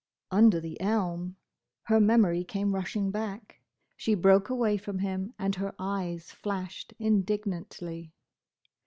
Under the elm! Her memory came rushing back. She broke away from him and her eyes flashed indignantly.